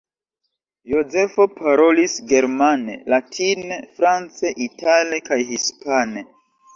Jozefo parolis germane, latine, france, itale kaj hispane.